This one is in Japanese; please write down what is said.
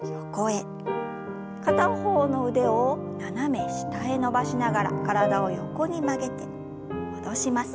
片方の腕を斜め下へ伸ばしながら体を横に曲げて戻します。